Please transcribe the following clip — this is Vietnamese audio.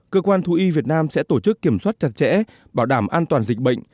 cơ quan thú y việt nam sẽ tổ chức kiểm soát chặt chẽ bảo đảm an toàn dịch bệnh